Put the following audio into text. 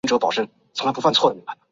也可能需要补充镁离子。